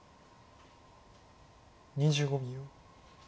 ２５秒。